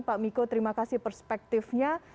pak miko terima kasih perspektifnya